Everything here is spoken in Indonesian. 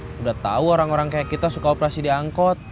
sudah tahu orang orang kayak kita suka operasi diangkut